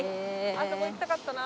あそこ行きたかったな。